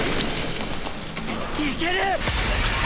いける！